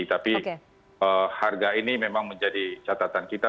tapi harga ini memang menjadi catatan kita